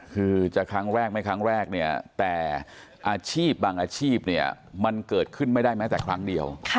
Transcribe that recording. คือจะครั้งแรกไม่ครั้งแรกเนี่ยแต่อาชีพบางอาชีพเนี่ยมันเกิดขึ้นไม่ได้แม้แต่ครั้งเดียว